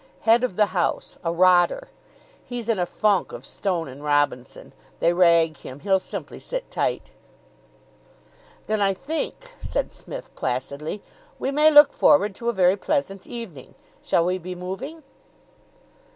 "Head of the house a rotter. He's in a funk of Stone and Robinson; they rag him; he'll simply sit tight." "Then I think," said Psmith placidly, "we may look forward to a very pleasant evening. Shall we be moving?"